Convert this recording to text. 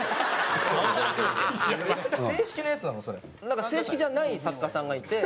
なんか正式じゃない作家さんがいて。